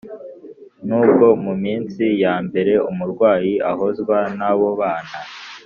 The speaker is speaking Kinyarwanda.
nubwo mu minsi ya mbere, umurwayi ahozwa n’abo babana